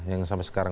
yang sampai sekarang